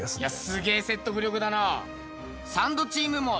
すげえ説得力だな。